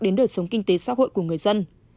đến đời sống kinh tế xã hội của người dân